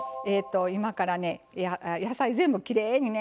今からね野菜全部きれいにね